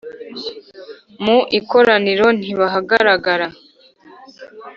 mu ikoraniro ntibahagaragara,